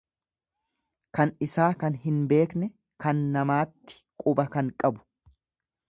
Kan isaa kan hin beekne kan namaatti quba kan qabu.